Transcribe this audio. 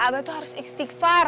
abah itu harus istighfar